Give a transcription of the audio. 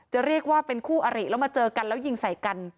จะเรียกว่าเป็นคู่อริแล้วมาเจอกันแล้วยิงใส่กัน